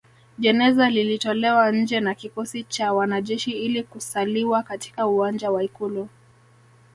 Jeneza lilitolewa nje na kikosi cha wanajeshi ili kusaliwa katika uwanja wa Ikulu